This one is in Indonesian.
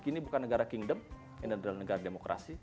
ini bukan negara kingdom ini adalah negara demokrasi